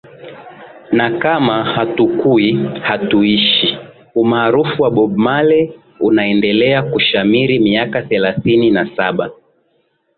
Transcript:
na kama hatukui hatuishi Umaarufu wa Bob Marley unaendelea kushamiri miaka thelathini na saba